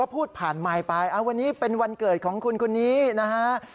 พูดผ่านไมค์ไปวันนี้เป็นวันเกิดของคุณคนนี้นะฮะ